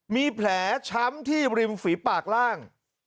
มีแผลช้ำที่ริมฝีปากล่าง